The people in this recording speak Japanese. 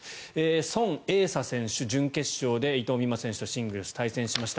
ソン・エイサ選手準決勝で伊藤美誠選手とシングルスで対戦しました。